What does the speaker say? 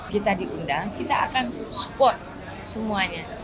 kita diundang kita akan support semuanya